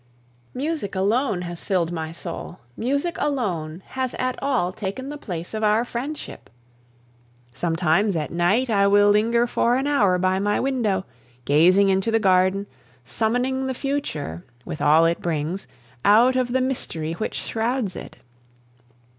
Music alone has filled my soul, music alone has at all taken the place of our friendship. Sometimes, at night, I will linger for an hour by my window, gazing into the garden, summoning the future, with all it brings, out of the mystery which shrouds it.